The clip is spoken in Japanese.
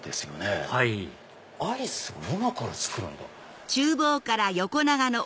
はいアイスを今から作るんだ。